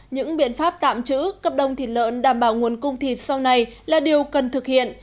những biện pháp tạm trữ cấp đông thịt lợn đảm bảo nguồn cung thịt sau này là điều cần thực hiện